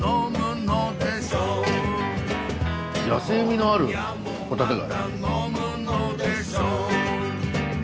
野性味のあるホタテ貝。